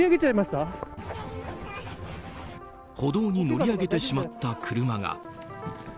歩道に乗り上げてしまった車が。